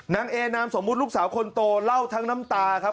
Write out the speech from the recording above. เอนามสมมุติลูกสาวคนโตเล่าทั้งน้ำตาครับ